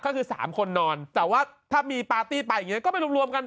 ก็คือ๓คนนอนแต่ว่าถ้ามีปาร์ตี้ไปอย่างนี้ก็ไปรวมกัน